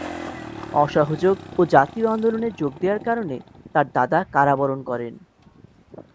অসহযোগ ও জাতীয় আন্দোলনের যোগ দেওয়ার কারণে তার দাদা কারাবরণ করেন।